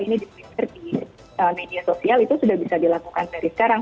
ini di twitter di media sosial itu sudah bisa dilakukan dari sekarang